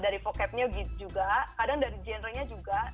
dari vocab nya gitu juga kadang dari genre nya juga